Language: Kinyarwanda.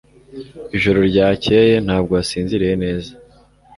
Ijoro ryakeye ntabwo wasinziriye neza